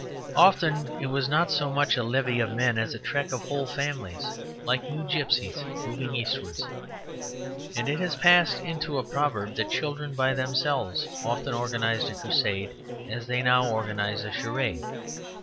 Often it was not so much a levy of men as a trek of whole families, like new gipsies moving eastwards. And it has passed into a proverb that children by themselves often organized a crusade as they now organize a charade.